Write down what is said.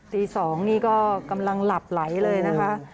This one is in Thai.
ตี๒นี่ก็กำลังหลับไหลเลยนะคะ